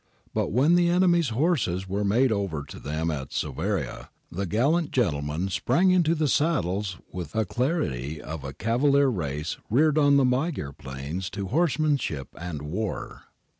But when the enemy's horses were made over to them at Soveria, the gallant gentlemen sprang into the saddles with the alac rity of a cavalier race reared on the Magyar plains to horsemanship and war.